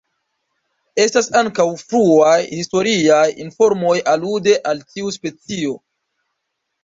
Estas ankaŭ fruaj historiaj informoj alude al tiu specio.